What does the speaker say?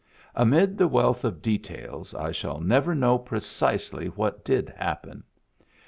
Amid the wealth of details, I shall never know precisely what did happen.